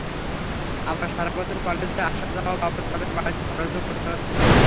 আবার সারা বছর কলেজে আসা-যাওয়া বাবদ তাঁদের বাড়তি খরচও করতে হচ্ছে।